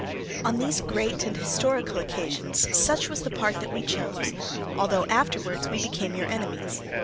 "On these great and historical occasions such was the part that we chose, although afterwards we became your enemies.